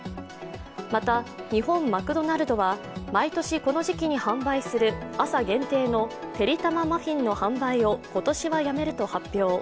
また日本マクドナルドは毎年この時期に販売する朝限定のてりたまマフィンの販売を今年はやめると発表。